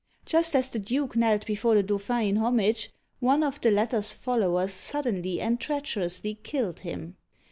Just as the duke knelt before the Dauphin in homage, one of the latter's followers suddenly and treacherously killed him.